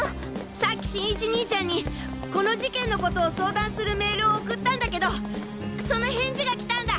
さっき新一兄ちゃんにこの事件のことを相談するメールを送ったんだけどその返事が来たんだ！